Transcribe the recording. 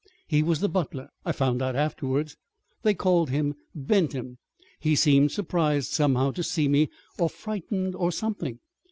"He was the butler, I found out afterwards. They called him Benton. He seemed surprised, somehow, to see me, or frightened, or something.